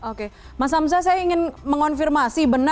oke mas hamzah saya ingin mengonfirmasi